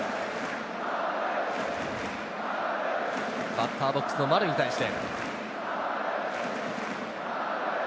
バッターボックスの丸に対して。